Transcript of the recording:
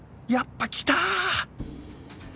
やっぱきた！